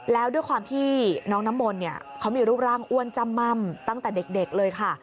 แล้วด้วยความที่น้องน้ำมนต์เขามีรูปร่างอ้วนจ้ำม่ำตั้งแต่เด็กเลยค่ะ